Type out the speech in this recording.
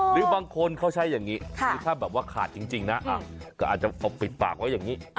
หรือบางคนเขาใช้อย่างนี้หรือถ้าแบบว่าขาดจริงนะก็อาจจะปกปิดปากไว้อย่างนี้